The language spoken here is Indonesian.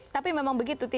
tapi memang begitu